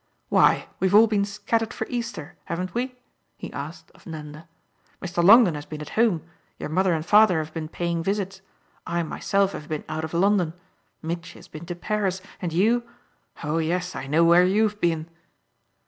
"Why we've all been scattered for Easter, haven't we?" he asked of Nanda. "Mr. Longdon has been at home, your mother and father have been paying visits, I myself have been out of London, Mitchy has been to Paris, and you oh yes, I know where you've been."